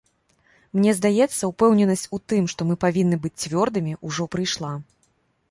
Мне здаецца, упэўненасць у тым, што мы павінны быць цвёрдымі, ужо прыйшла.